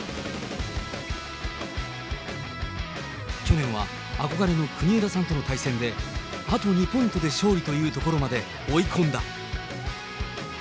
去年は憧れの国枝さんとの対戦で、あと２ポイントで勝利というところまで追い込んだ。